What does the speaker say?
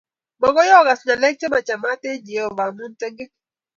Makoi okas ngalek che machamat eng Jehovah amu tengek